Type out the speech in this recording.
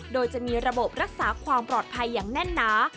โดยจะมีระบบรักษาความปลอดภัยอย่างแน่นหนา